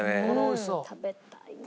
食べたいな。